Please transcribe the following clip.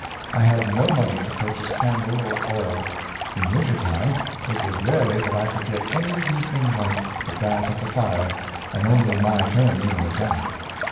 I had no money to purchase candle or oil; in winter time it was rarely that I could get any evening light but that of the fire, and only my turn even at that.